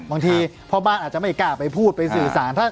บางทีพ่อบ้านอาจจะไม่กล้าไปพูดไปสื่อสารท่าน